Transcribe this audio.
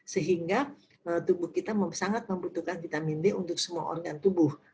sehingga tubuh kita sangat membutuhkan vitamin d untuk semua organ tubuh